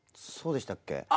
そうでしたっけ？